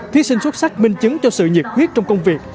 thí sinh xuất sắc minh chứng cho sự nhiệt huyết trong công việc